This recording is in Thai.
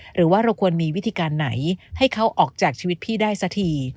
หรือว่าเราควรมีวิธีการไหนให้เขาออกจากชีวิตพี่ได้สักที